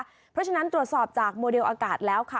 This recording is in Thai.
เพราะฉะนั้นตรวจสอบจากโมเดลอากาศแล้วค่ะ